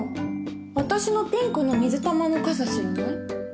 私のピンクの水玉の傘知らない？